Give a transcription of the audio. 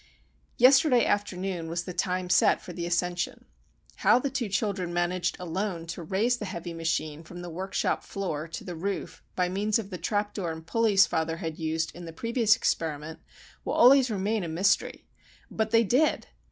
Yesterday afternoon was the time set for the ascension. How the two children managed alone to raise the heavy machine from the workshop floor to the roof by means of the trap door and pulleys father had used in the previous experiment will always remain a mystery. But they did!